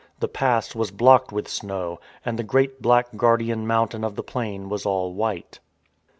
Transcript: The pass was blocked with snow, and the great black guardian mountain of the plain was all white.